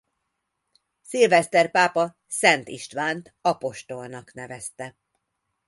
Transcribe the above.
Szilveszter pápa Szent Istvánt apostolnak nevezte.